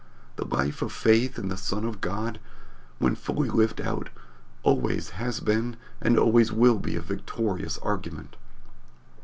The life of faith in the Son of God, when fully lived out, always has been and always will be a victorious argument.